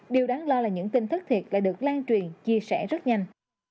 điều đáng lo là những tin thất thiệt lại được lan truyền chia sẻ rất nhanh